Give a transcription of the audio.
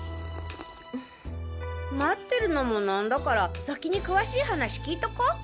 待ってるのも何だから先に詳しい話聞いとこう！